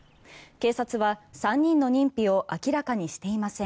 警察は３人の認否を明らかにしていません。